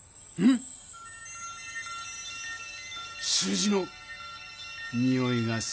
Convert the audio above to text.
数字のにおいがするな。